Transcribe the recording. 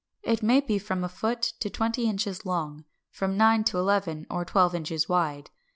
It may be from a foot to twenty inches long, from nine to eleven or twelve inches wide.